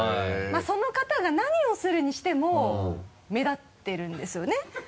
その方が何をするにしても目立ってるんですよね。